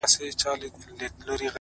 • پر دنیا باندي اسمان به رانړیږي ,